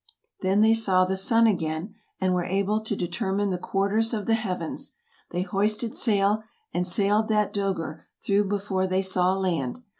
Then they saw the sun again, and were able to determine the quarters of the heavens ; they hoisted sail, and sailed that "dcegr " through before they saw land.